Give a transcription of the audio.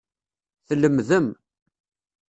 Tlemdem.